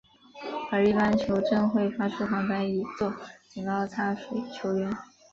而一般球证会发出黄牌以作警告插水球员。